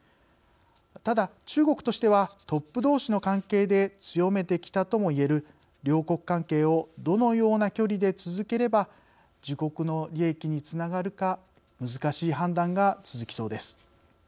ただ、中国としてはトップどうしの関係で強めてきたとも言える両国関係をどのような距離で続ければ自国の利益につながるか難しい判断が続きそうです。